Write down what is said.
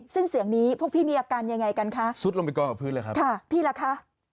ซึ่งเสียงนี้พวกพี่มีอาการยังไงกันคะซุดลงไปกองกับพื้นเลยครับค่ะพี่ล่ะคะ